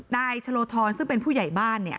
นายชะโลธรซึ่งเป็นผู้ใหญ่บ้าน